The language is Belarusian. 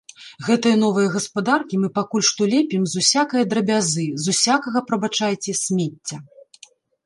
Гэтыя новыя гаспадаркі мы пакуль што лепім з усякае драбязы, з усякага, прабачайце, смецця.